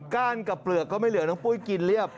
้านกับเปลือกก็ไม่เหลือน้องปุ้ยกินเรียบ